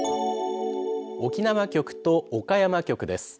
沖縄局と岡山局です。